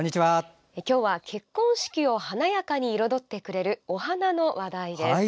今日は結婚式を華やかに彩ってくれるお花の話題です。